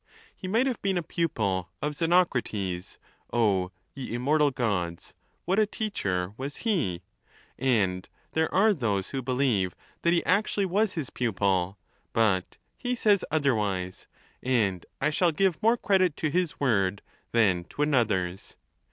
He might have been a pupil of Xenocrates. O ye immortal Gods, what a teacher was he ! And there are those who believe that he actually was his pupil ; but he says otherwise, and I shall give more credit to his word than to another's.